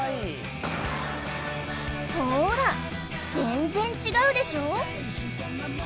ほーら全然違うでしょ？